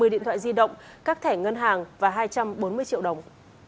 một mươi điện thoại di động các thẻ ngân hàng và hai trăm bốn mươi triệu đồng